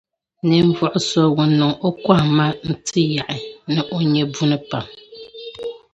Ninvuɣ’ so ŋun niŋ o kɔhimma nyɔri ti yaɣi ni o nya buni pam.